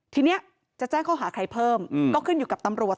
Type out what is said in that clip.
ทีนี้จะแจ้งข้อหาใครเพิ่มก็ขึ้นอยู่กับตำรวจ